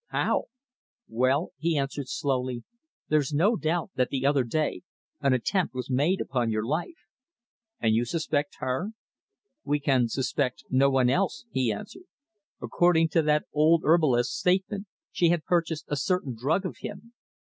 "How?" "Well," he answered slowly, "there's no doubt that the other day an attempt was made upon your life." "And you suspect her?" "We can suspect no one else," he answered. "According to that old herbalist's statement she had purchased a certain drug of him.